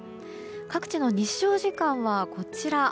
各地の日照時間は、こちら。